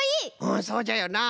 うんそうじゃよな。